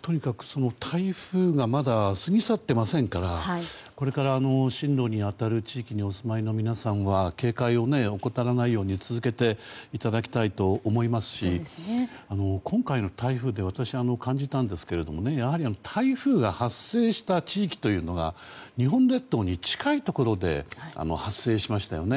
とにかく、台風がまだ過ぎ去っていませんからこれから進路に当たる地域にお住まいの皆さんは警戒を怠らないように続けていただきたいと思いますし今回の台風で私、感じたんですけれどもやはり台風が発生した地域というのが日本列島に近いところで発生しましたよね。